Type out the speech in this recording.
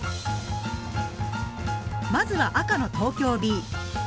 まずは赤の東京Ｂ。